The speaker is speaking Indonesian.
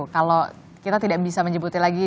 kalau kita tidak bisa menyebuti lagi